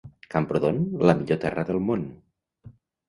Camprodon, la millor terra del món.